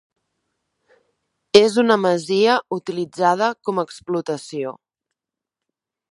És una masia utilitzada com a explotació.